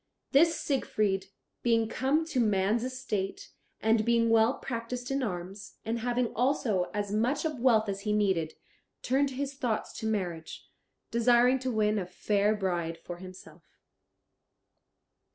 This Siegfried being come to man's estate, and being well practised in arms, and having also as much of wealth as he needed, turned his thoughts to marriage, desiring to win a fair bride for himself.